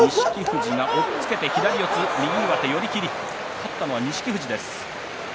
勝ったのは錦富士です。